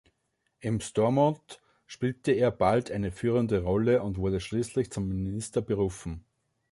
Im Stormont spielte er bald eine führende Rolle und wurde schließlich zum Minister berufen.